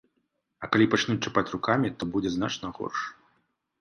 А калі пачнуць чапаць рукамі, то будзе значна горш.